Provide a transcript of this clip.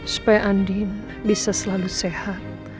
supaya andin bisa selalu sehat